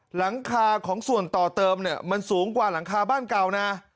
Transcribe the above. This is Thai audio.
หลังคาของส่วนต่อเติมเนี่ยมันสูงกว่าหลังคาบ้านเก่านะ